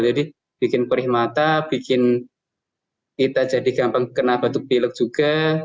jadi bikin perih mata bikin kita jadi gampang kena batuk pilek juga